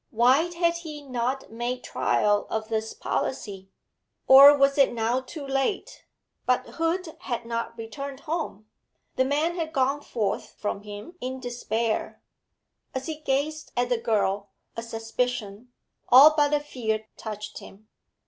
Why had he not made trial of this policy? Or was it now too late? But Hoed had not returned home. The man had gone forth from him in despair. As he gazed at the girl, a suspicion, all but a fear, touched him.